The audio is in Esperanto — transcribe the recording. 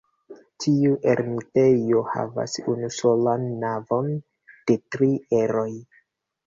Tiu ermitejo havas unusolan navon de tri eroj.